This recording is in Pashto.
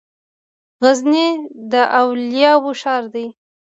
غزنی د اولیاوو ښار دی.